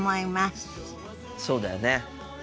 そうだよね。